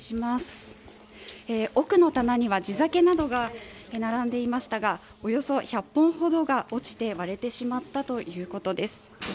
奥の棚には地酒などが並んでいましたがおよそ１００本ほどが落ちて割れてしまったということです。